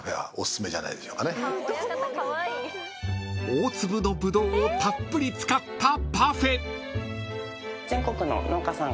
［大粒のぶどうをたっぷり使った］